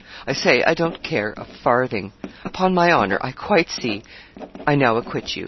I say I don't care a farthing. Upon my honour, I quite see I now acquit you.